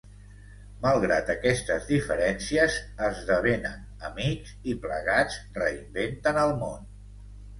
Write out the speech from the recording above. Malgrat aquestes diferències, esdevenen amics i plegats reinventen el món.